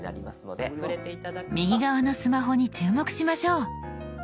右側のスマホに注目しましょう。